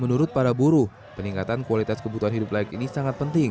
menurut para buruh peningkatan kualitas kebutuhan hidup layak ini sangat penting